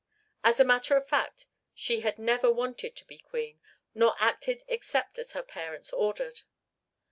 As a matter of fact she had never wanted to be Queen, nor acted except as her parents ordered.